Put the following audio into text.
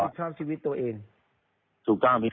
เพราะว่าตอนแรกมีการพูดถึงนิติกรคือฝ่ายกฎหมาย